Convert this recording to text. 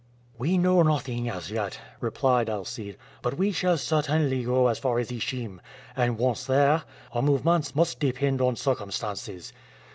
"We know nothing as yet," replied Alcide; "but we shall certainly go as far as Ishim, and once there, our movements must depend on circumstances."